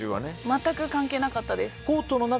全く関係なかったです。